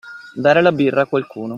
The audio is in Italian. Dare la birra a qualcuno.